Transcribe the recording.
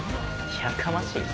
やかましい。